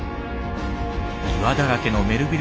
岩だらけのメルヴィル